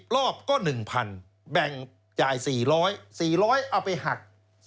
รอบก็๑๐๐๐แบ่งจ่าย๔๐๐๔๐๐เอาไปหัก